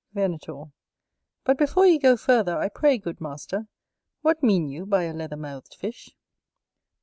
Venator. But before you go further, I pray, good master, what mean you by a leather mouthed fish?